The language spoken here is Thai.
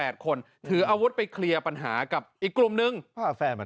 คนถืออาวุธไปเคลียร์ปัญหากับอีกกลุ่มนึงพาแฟนมา